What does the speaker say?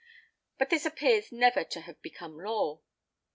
But this appears never to have become law.